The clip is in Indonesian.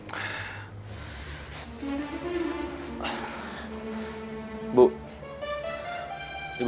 ibu ibu mau berbicara